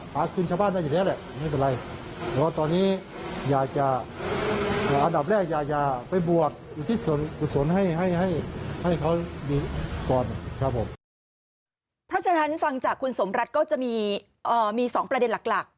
เพราะฉะนั้นฟังจากคุณสมรัฐก็จะมี๒ประเด็นหลัก